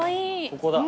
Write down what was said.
ここだ。